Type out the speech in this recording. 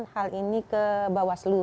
hal ini ke bawah selu